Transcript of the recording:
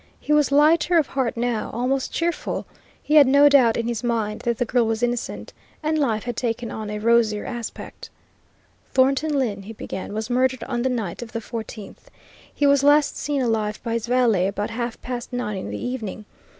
He was lighter of heart now, almost cheerful. He had no doubt in his mind that the girl was innocent, and life had taken on a rosier aspect. "Thornton Lyne," he began, "was murdered on the night of the 14th. He was last seen alive by his valet about half past nine in the evening.